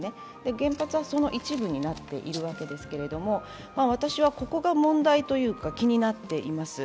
原発はその一部になっているわけですけれども、私はここが問題というか、気になっています。